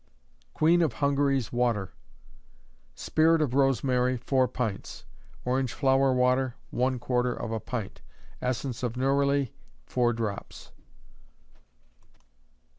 Queen of Hungary's Water. Spirit of rosemary, four pints; orange flower water, one quarter of a pint; essence of neroli, four drops.